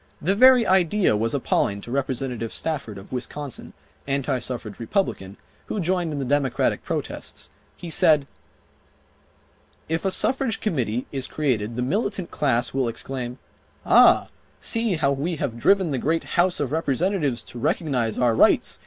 The very idea was appalling to Representative Stafford of Wisconsin, anti suffrage Republican, who joined in the Democratic protests. He said: "If a Suffrage Committee is created the militant class will exclaim, 'Ah, see how we have driven the great House of Representatives to recognize our rights.